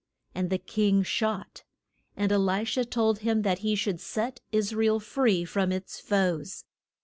And the king shot; and E li sha told him that he should set Is ra el free from its foes.